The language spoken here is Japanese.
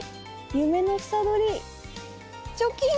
夢の房どりチョキン！